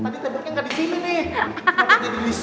kenapa jadi di sini sih